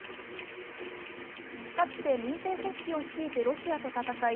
かつて民兵組織を率いてロシアと戦い